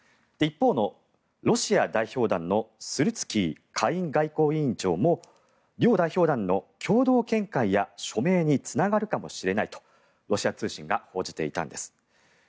一方のロシア代表団のスルツキー下院外交委員長も両代表団の共同見解や署名につながるかもしれないとロシア通信が報じていたんです。